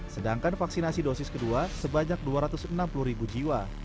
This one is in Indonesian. sedangkan vaksinasi dosis kedua sebanyak dua ratus enam puluh ribu jiwa